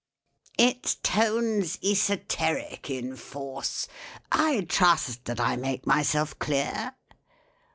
"Its tone's esoteric in force— I trust that I make myself clear?"